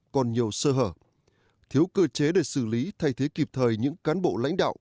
còn nhiều sơ hở thiếu cơ chế để xử lý thay thế kịp thời những cán bộ lãnh đạo